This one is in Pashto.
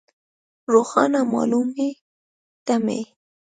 روښانه مالومې تمې.